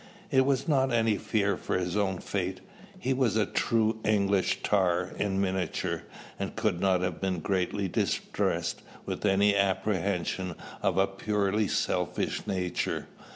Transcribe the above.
It was not any fear for his own fate. He was a true English tar in miniature, and could not have been greatly distressed with any apprehensions of a purely selfish nature.